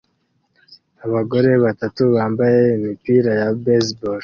Abagore batatu bambaye imipira ya baseball